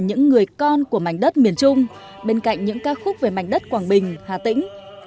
những người con của mảnh đất miền trung bên cạnh những ca khúc về mảnh đất quảng bình hà tĩnh